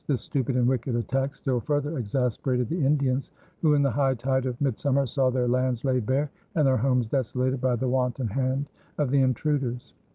This stupid and wicked attack still further exasperated the Indians, who in the high tide of mid summer saw their lands laid bare and their homes desolated by the wanton hand of the intruders.